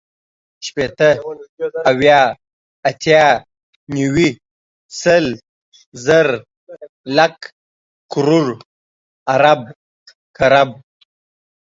شپېته، اويا، اتيا، نيوي، سل، زر، لک، کروړ، ارب، کرب